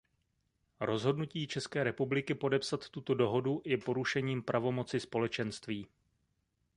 Rozhodnutí České republiky podepsat tuto dohodu je porušením pravomoci Společenství.